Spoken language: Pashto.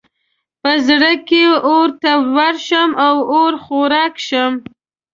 په زړه کې اور ته ورشم او اور خوراک شم.